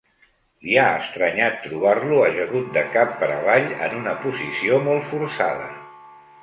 Li ha estranyat trobar-lo ajagut de cap per avall en una posició molt forçada.